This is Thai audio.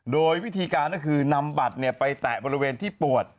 โดยวิธีการก็คือนำบัตรไปแตะบริเวณที่ปวด